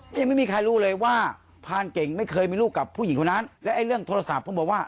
ยังไม่มีใครรู้เลยว่าพรานเก่งไม่เคยมีลูกกับผู้หญิงคนนั้นและไอ้เรื่องโทรศัพท์ผมบอกว่า